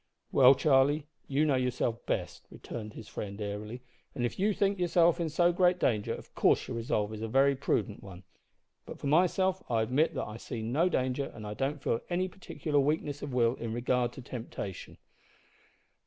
"Well, Charlie, you know yourself best," returned his friend airily, "and if you think yourself in so great danger, of course your resolve is a very prudent one; but for myself, I admit that I see no danger, and I don't feel any particular weakness of will in regard to temptation."